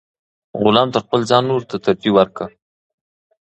غلام تر خپل ځان نورو ته ترجیح ورکړه.